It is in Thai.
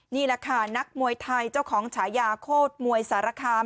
นี่แหละค่ะนักมวยไทยเจ้าของฉายาโคตรมวยสารคาม